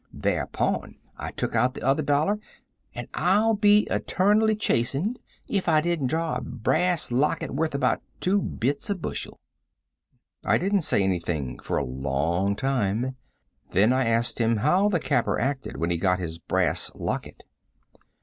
"Thereupon I took out the other dollar, and I'll be eternally chastised if I didn't draw a brass locket worth about two bits a bushel." I didn't say anything for a long time. Then I asked him how the capper acted when he got his brass locket.